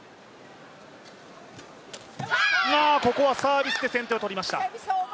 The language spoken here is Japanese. ここはサービスで先手を取りました。